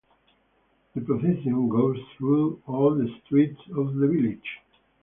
The procession goes through all the streets of the village.